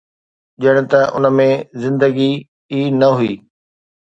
ڄڻ ته ان ۾ زندگي ئي نه هئي.